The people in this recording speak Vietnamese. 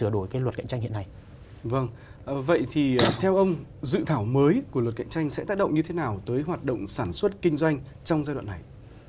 dự thảo mới của luật cạnh tranh sẽ tác động như thế nào tới hoạt động sản xuất kinh doanh trong giai đoạn này